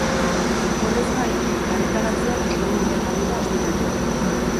Horrez gain, elkarretaratzeak daude iragarrita ostiralero.